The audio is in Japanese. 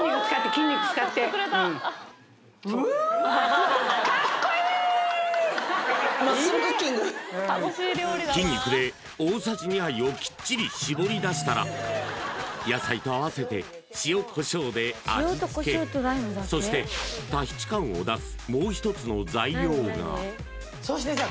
筋肉使ってうん筋肉で大さじ２杯をきっちりしぼり出したら野菜と合わせて塩コショウで味つけそしてタヒチ感を出すもう一つの材料がそしてさ